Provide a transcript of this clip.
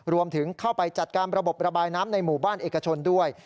รวมถึงเข้าไปจัดการระบบระบายน้ำในหมู่บ้านเอกชนด้วย